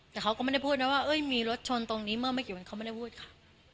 แต่เขาก็ไม่ได้พูดนะว่ามีรถชนตรงนี้เมื่อไม่กี่วันเขาไม่ได้พูดค่ะ